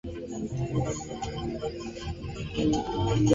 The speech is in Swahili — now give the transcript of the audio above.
ya mwaka elfu mbili na kumi na sita na nyinginezo kupigiwa kelele